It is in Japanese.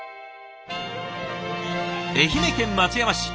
愛媛県松山市